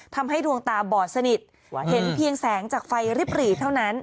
ทำให้ดวงตาบอดสนิทเห็นเพียงแสงจากไฟริบหรี่เท่านั้น